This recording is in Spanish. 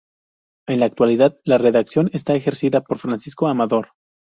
En la actualidad la redacción está ejercida por Francisco Amador.